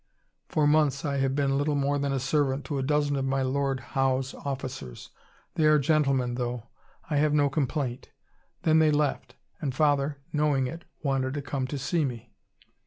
For months I have been little more than a servant to a dozen of My Lord's Howe's officers. They are gentlemen, though: I have no complaint. Then they left, and father, knowing it, wanted to come to see me.